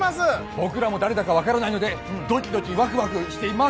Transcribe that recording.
僕らも誰だか分からないのでドキドキワクワクしています。